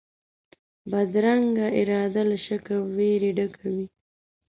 بدرنګه اراده له شک او وېري ډکه وي